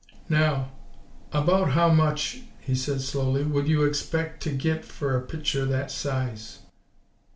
"Now, about how much," he said slowly, "would you expec' t' git f'r a pitcher that size?"